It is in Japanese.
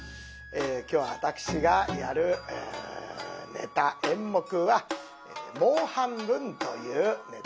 今日私がやるネタ演目は「もう半分」というネタでございます。